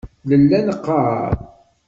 Nella neqqaṛ.